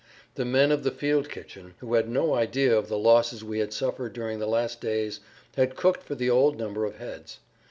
The men of the field kitchen, who had no idea of the losses we had suffered during the last days, had cooked for the old number of heads.